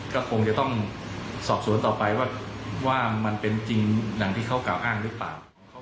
ก็คงจะต้องสอบสวนต่อไปว่ามันเป็นจริงอย่างที่เขากล่าวอ้างหรือเปล่า